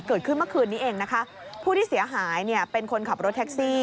เกิดขึ้นเมื่อคืนนี้เองนะคะผู้ที่เสียหายเนี่ยเป็นคนขับรถแท็กซี่